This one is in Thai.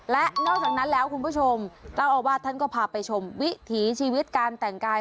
และนอกจากนั้นแล้วคุณผู้ชมเจ้าอาวาสท่านก็พาไปชมวิถีชีวิตการแต่งกาย